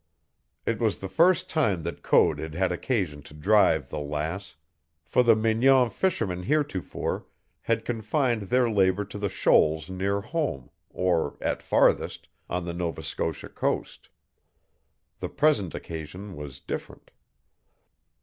It was the first time that Code had had occasion to drive the Lass, for the Mignon fishermen heretofore had confined their labor to the shoals near home or, at farthest, on the Nova Scotia coast. The present occasion was different.